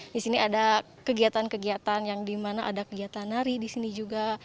di sini ada kegiatan kegiatan yang dimana ada kegiatan nari di sini juga